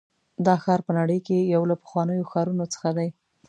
دا ښار په نړۍ کې یو له پخوانیو ښارونو څخه دی.